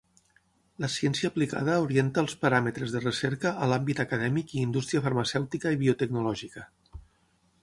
La Ciència aplicada orienta els paràmetres de recerca a l'àmbit acadèmic i indústria farmacèutica i biotecnològica.